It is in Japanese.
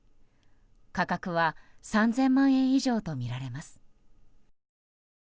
価格は３０００万円以上とみられます。